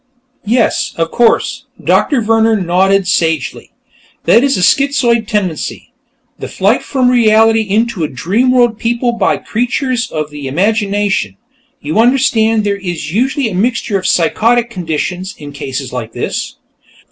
"Yes, of course." Doctor Vehrner nodded sagely. "That is a schizoid tendency; the flight from reality into a dream world peopled by creatures of the imagination. You understand, there is usually a mixture of psychotic conditions, in cases like this.